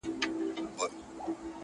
لټوم بایللی هوښ مي ستا د کلي په کوڅو کي,